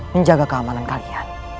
menjaga keamanan kalian